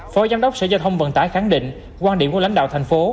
phó giám đốc sở giao thông vận tải khẳng định quan điểm của lãnh đạo thành phố